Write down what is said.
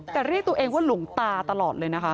แต่เรียกตัวเองว่าหลวงตาตลอดเลยนะคะ